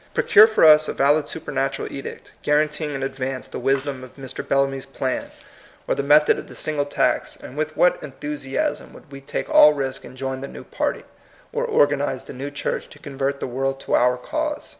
Procure for us a valid super natural edict, guaranteeing in advance the wisdom of Mr. Bellamy's plan, or the 168 THE COMING PEOPLE. method of the single tax, and with what enthusiasm would we take all risks and join the new party, or organize the new church to convert the world to our cause.